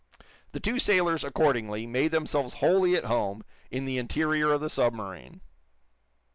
'" The two sailors, accordingly, made themselves wholly at home in the interior of the submarine.